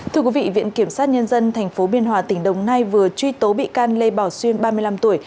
thưa quý vị viện kiểm sát nhân dân tp biên hòa tỉnh đồng nai vừa truy tố bị can lê bảo xuyên ba mươi năm tuổi